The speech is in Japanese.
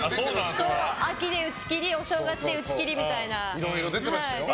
秋で打ち切りお正月で打ち切りみたいな。